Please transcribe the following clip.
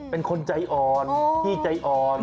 เป็นคนใจอ่อนพี่ใจอ่อน